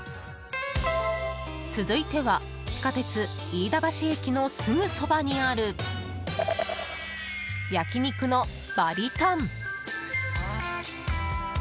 続いては地下鉄飯田橋駅のすぐそばにある焼肉のばりとんっ。